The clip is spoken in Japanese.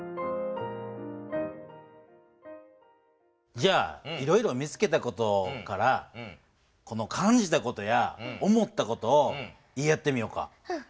じゃあいろいろ見つけた事から感じた事や思った事を言い合ってみようか。